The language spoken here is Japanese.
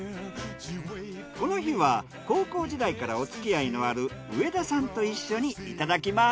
この日は高校時代からお付き合いのある上田さんと一緒にいただきます。